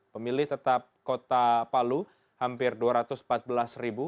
pemilih tetap kota palu hampir dua ratus empat belas ribu